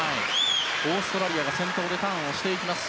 オーストラリアが先頭でターンをしていきました。